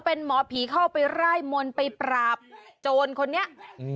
เป็นหมอผีเข้าไปร่ายมนต์ไปปราบโจรคนนี้